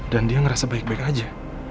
dan dia ngerasa baik baik aja